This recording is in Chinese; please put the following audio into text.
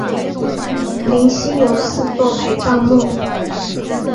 灵犀有四座陪葬墓。